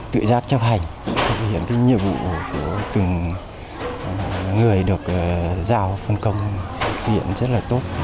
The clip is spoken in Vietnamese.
tự giác chấp hành thực hiện cái nhiệm vụ của từng người được giao phân công thực hiện rất là tốt